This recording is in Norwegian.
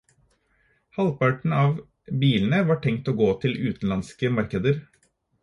Halvparten av bilene var tenkt å gå til utenlandske markeder.